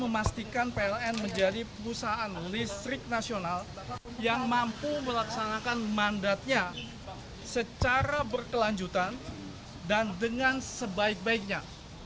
memastikan pln menjadi perusahaan listrik nasional yang mampu melaksanakan mandatnya secara berkelanjutan dan dengan sebaik baiknya